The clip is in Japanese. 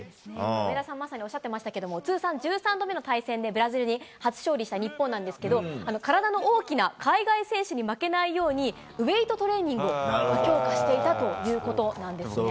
上田さん、まさにおっしゃってましたけど、通算１３度目の対戦でブラジルに初勝利した日本なんですけど、体の大きな海外選手に負けないように、ウエイトトレーニングを強化していたということなんですね。